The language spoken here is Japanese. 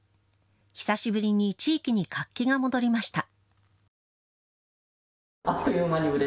久しぶりに地域に活気が戻りました。